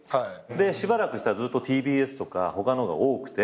しばらくしたらずっとＴＢＳとか他のが多くて。